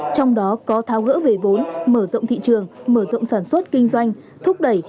trong đó có tháo gỡ về vốn mở rộng thị trường mở rộng sản xuất kinh doanh thúc đẩy